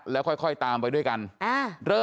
แต่คนบอกว่าโอ้โหแต่ถ้าไม่ควบคุมเนี่ย